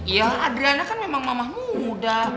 iya adriana kan memang mama muda